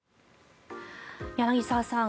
柳澤さん